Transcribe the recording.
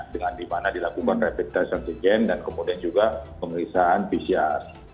dengan di mana dilakukan repetition check in dan kemudian juga pemeriksaan pcr